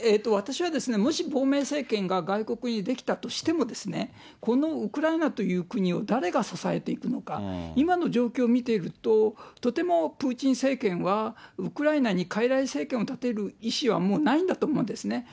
私はですね、もし亡命政権が外国に出来たとしても、このウクライナという国を誰が支えていくのか、今の状況を見ていると、とてもプーチン政権は、ウクライナにかいらい政権を立てる意思はもうないんだと思うんですね。